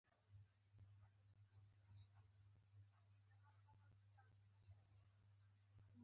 له علمه مخلص اوسه.